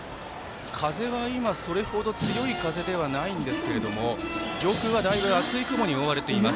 風は今、それほど強い風ではないんですけれども上空は、だいぶ厚い雲に覆われています。